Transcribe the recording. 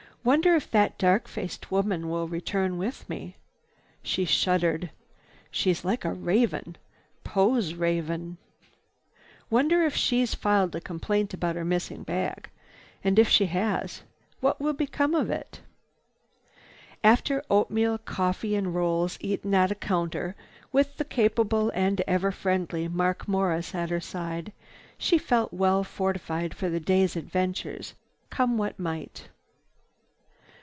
"Wonder if that dark faced woman will return with me?" She shuddered. "She's like a raven, Poe's raven. Wonder if she's filed a complaint about her missing bag. And if she has, what will come of it?" After oatmeal, coffee and rolls eaten at a counter with the capable and ever friendly Mark Morris at her side, she felt well fortified for the day's adventures, come what might.